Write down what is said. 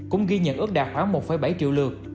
cũng ghi nhận ước đạt khoảng một bảy triệu lượt